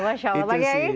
masya allah pagi